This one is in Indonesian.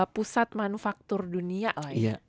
pusat manufaktur dunia lah ya